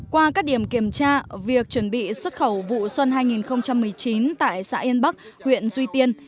qua các điểm kiểm tra việc chuẩn bị xuất khẩu vụ xuân hai nghìn một mươi chín tại xã yên bắc huyện duy tiên